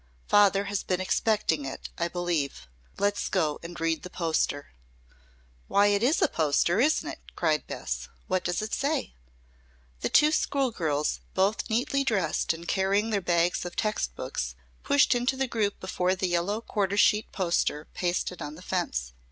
Father has been expecting it, I believe. Let's go and read the poster." "Why it is a poster, isn't it?" cried Bess. "What does it say?" The two school girls, both neatly dressed and carrying their bags of text books, pushed into the group before the yellow quarter sheet poster pasted on the fence.